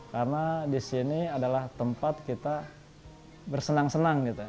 karena di sini adalah tempat kita bersenang senang gitu